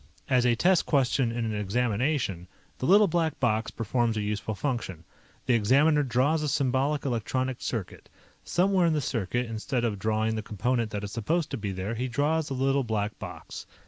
As a test question in an examination, the Little Black Box performs a useful function. The examiner draws a symbolic electronic circuit. Somewhere in the circuit, instead of drawing the component that is supposed to be there, he draws a Little Black Box.